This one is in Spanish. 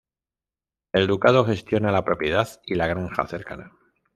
El ducado gestiona la propiedad y la granja cercana.